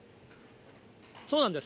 そうなんです。